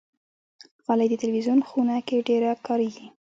غالۍ د تلویزون خونه کې ډېره کاریږي.